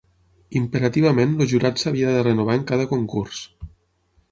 Imperativament el jurat s’havia de renovar en cada concurs.